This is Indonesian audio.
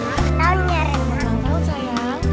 aku gak mau disini